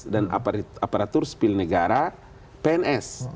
dan aparatur sepil negara pns